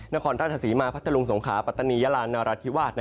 นครราชศรีมาพัทธรุงสงขาปัตตานียาลานนาราธิวาส